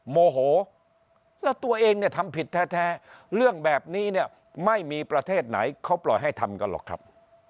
โมโหแล้วตัวเองเนี่ยทำผิดแท้เรื่องแบบนี้เนี่ยไม่มีประเทศไหนเขาปล่อยให้ทำกันหรอกครับ